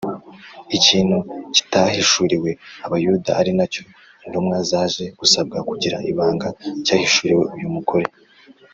. Ikintu kitahishuriwe Abayuda, ari na cyo intumwa zaje gusabwa kugira ibanga, cyahishuriwe uyu mugore